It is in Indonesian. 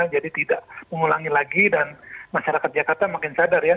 jadi tidak mengulangi lagi dan masyarakat jakarta makin sadar ya